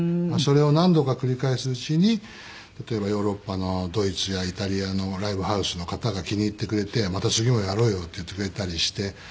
それを何度か繰り返すうちに例えばヨーロッパのドイツやイタリアのライブハウスの方が気に入ってくれて「また次もやろうよ」って言ってくれたりして。